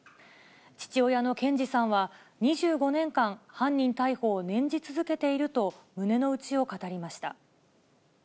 父親の賢二さんは、２５年間、犯人逮捕を念じ続けていると、胸の内を語りました。